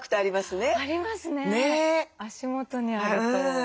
足元にあると。